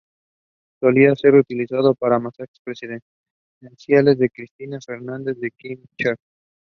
He also held administrative appointments in his career.